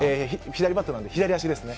左バッターなので、左足ですね。